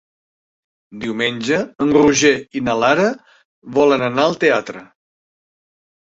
Diumenge en Roger i na Lara volen anar al teatre.